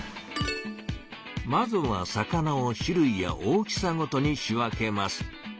まずは魚を種類や大きさごとに仕分けます。